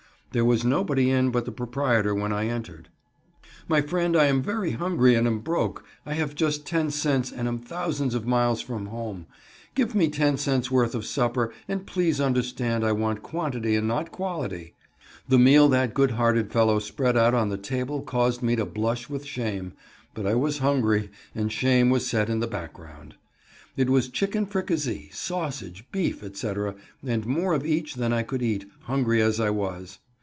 There was nobody in but the proprietor when I entered. "My friend, I am very hungry, and am broke I have just ten cents, and am thousands of miles from home. Give me ten cents worth of supper, and please understand I want quantity and not quality." The meal that good hearted fellow spread out on the table caused me to blush with shame, but I was hungry, and shame was set in the background. It was chicken fricassee, sausage, beef, etc., and more of each than I could eat, hungry as I was.